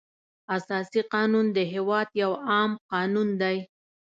اساسي قانون د هېواد یو عام قانون دی.